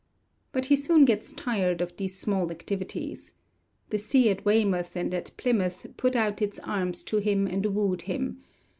But he soon gets tired of these small activities. The sea at Weymouth and at Plymouth put out its arms to him and wooed him.